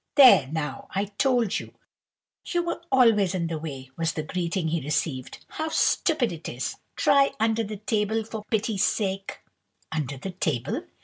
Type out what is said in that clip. "There now, I told you, you were always in the way," was the greeting he received. "How stupid it is! Try under the table, for pity's sake." Under the table!